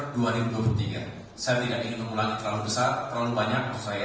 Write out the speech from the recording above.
saya tidak ingin mengulangi terlalu besar terlalu banyak untuk saya